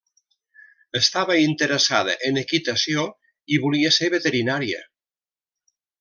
Estava interessada en equitació, i volia ser veterinària.